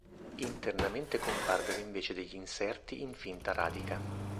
Internamente comparvero invece degli inserti in finta radica.